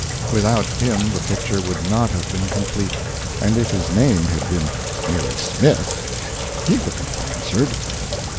Without him the picture would not have been complete; and if his name had been merely Smith, he wouldn't have answered.